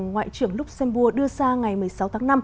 ngoại trưởng luxembourg đưa ra ngày một mươi sáu tháng năm